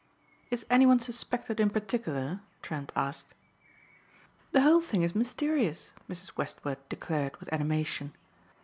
"Is any one suspected in particular?" Trent asked. "The whole thing is mysterious," Mrs. Westward declared with animation.